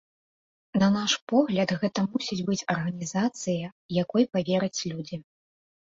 На наш погляд, гэта мусіць быць арганізацыя, якой павераць людзі.